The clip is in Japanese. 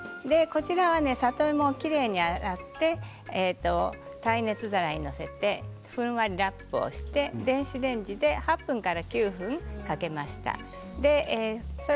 まずはザーサイひき肉炒めからこちらは里芋をきれいに洗って耐熱皿に載せてふんわりラップをして電子レンジで８分から９分かけました。